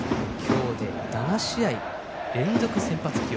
今日で７試合連続先発起用